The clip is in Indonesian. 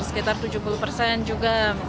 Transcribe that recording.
sekitar tujuh puluh persen juga